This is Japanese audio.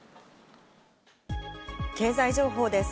経済情報です。